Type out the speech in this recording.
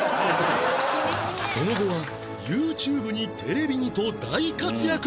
その後は ＹｏｕＴｕｂｅ にテレビにと大活躍！